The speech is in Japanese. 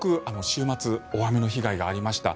週末、大雨の被害がありました。